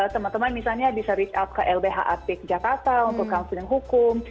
teman teman misalnya bisa reach up ke lbh apik jakarta untuk confident hukum